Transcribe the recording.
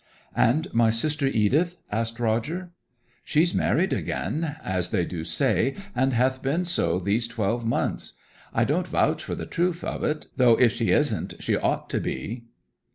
'And my sister Edith?' asked Roger. 'She's married again as they do say, and hath been so these twelve months. I don't vouch for the truth o't, though if she isn't she ought to be.'